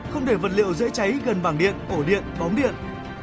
không để vật liệu dễ cháy gần bảng điện ổ điện đóng điện